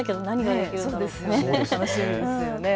楽しみですよね。